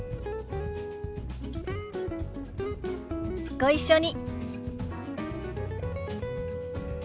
ご一緒に。